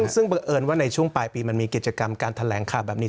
ซึ่งบังเอิญว่าในช่วงปลายปีมันมีกิจกรรมการแถลงข่าวแบบนี้